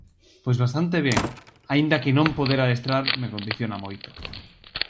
Pois bastante ben, aínda que non poder adestrar me condiciona moito.